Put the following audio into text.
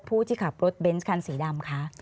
ที่ขับรถเบนส์คันสีดำคะ